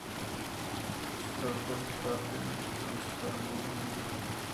Los dos parten entonces para Mundo Medio.